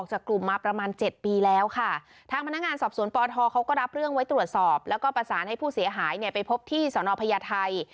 ให้ผู้เสียหายไปพบที่สนพญาไทย